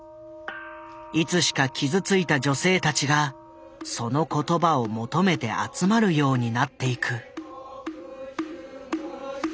いつしか傷ついた女性たちがその言葉を求めて集まるようになっていく。